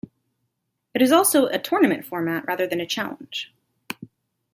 It is also a tournament format, rather than a challenge.